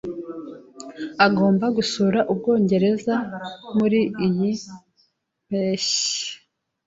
Agomba gusura Ubwongereza muriyi mpeshyi.